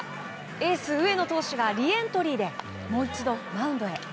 エース上野投手がリエントリーでもう一度、マウンドへ。